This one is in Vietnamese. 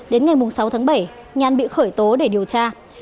đến ngày sáu tháng bảy nhàn bị khởi tố để điều tra